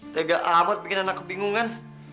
tegak amat bikin anak kebingungan